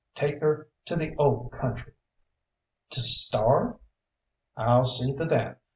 Take her to the Old Country." "To starve!" "I'll see to that.